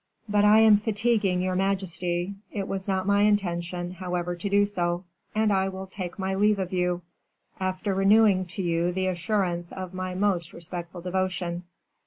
But I am fatiguing your majesty; it was not my intention, however, to do so, and I will take my leave of you, after renewing to you the assurance of my most respectful devotion."